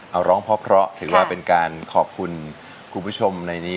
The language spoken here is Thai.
เอาร้องเพราะถือว่าเป็นการขอบคุณคุณผู้ชมในนี้